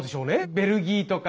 ベルギーとか。